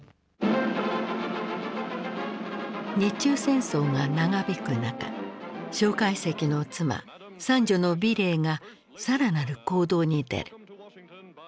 日中戦争が長引く中介石の妻三女の美齢が更なる行動に出る。